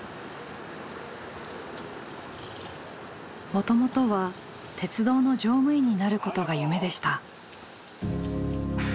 もともとは鉄道の乗務員になることが夢でした。